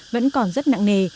vẫn còn rất nặng nề